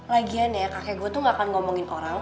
lagian ya kakek gue tuh gak akan ngomongin orang